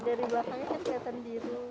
dari belakangnya saya kelihatan biru